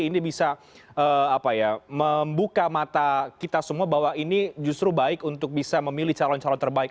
ini bisa membuka mata kita semua bahwa ini justru baik untuk bisa memilih calon calon terbaik